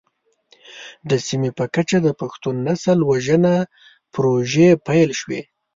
د سیمې په کچه د پښتون نسل وژنه پروژې پيل شوې.